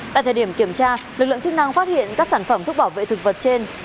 tại thời điểm kiểm tra lực lượng chức năng phát hiện các sản phẩm thuốc bảo vệ thực vật trên